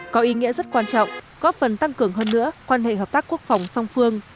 có ý nghĩa rất quan trọng góp phần tăng cường hơn nữa quan hệ hợp tác quốc phòng song phương